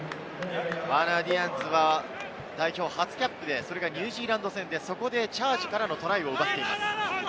ワーナー・ディアンズは代表初キャップでそれがニュージーランド戦で、そこでチャージからのトライを奪っています。